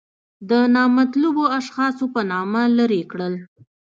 د نامطلوبو اشخاصو په نامه لرې کړل.